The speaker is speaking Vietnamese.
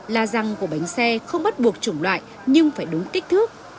là rằng của bánh xe không bắt buộc chủng loại nhưng phải đúng kích thước